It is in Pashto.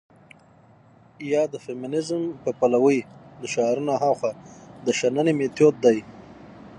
يا د فيمنيزم په پلوۍ له شعارونو هاخوا د شننې مېتود دى.